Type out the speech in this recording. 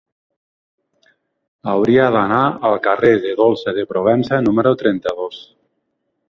Hauria d'anar al carrer de Dolça de Provença número trenta-dos.